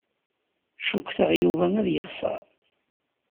Cukkteɣ Yuba ad yexṣer.